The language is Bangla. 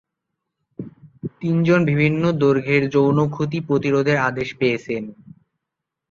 তিনজন বিভিন্ন দৈর্ঘ্যের যৌন ক্ষতি প্রতিরোধের আদেশ পেয়েছেন।